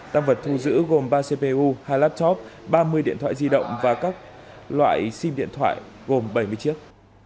tăng vật thu giữ gồm ba cpu hai laptop ba mươi điện thoại di động và các loại sim điện thoại gồm bảy mươi chiếc